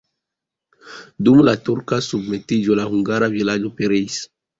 Dum la turka submetiĝo la hungara vilaĝo pereis.